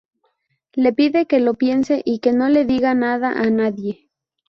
Le pide que lo piense y que no le diga nada a nadie.